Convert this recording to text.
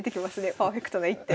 パーフェクトな一手。